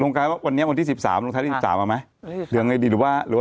ลงท้ายวันนี้วันที่สิบสามลงท้ายวันที่สิบสามอ่ะไหมหรือว่าจะเอาบอก